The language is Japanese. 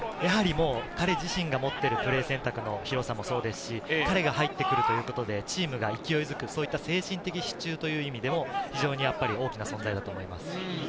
彼自身が持っているプレー選択もそうですし、彼が入ってくることで、チームが勢いづく、精神的支柱という意味でも非常に大きな存在です。